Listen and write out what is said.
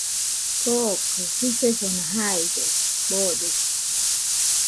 Kokɨ jusefona jaide boodesa.